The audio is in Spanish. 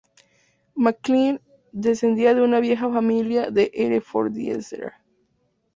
Maclean", descendía de una vieja familia de Herefordshire.